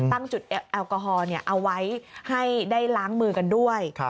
ตั้งจุดแอลกอฮอล์เอาไว้ให้ได้ล้างมือกันด้วย